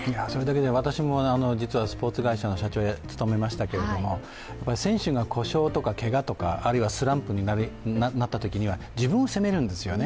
私も実はスポーツ会社の社長を務めましたけど選手が故障とかけがとかあるいはスランプになったときには自分を責めるんですよね